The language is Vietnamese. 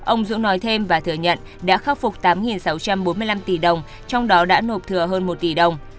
ông dũng nói thêm và thừa nhận đã khắc phục tám sáu trăm bốn mươi năm tỷ đồng trong đó đã nộp thừa hơn một tỷ đồng